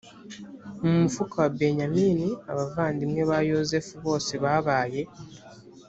mu mufuka wa benyamini abavandimwe ba yozefu bose babaye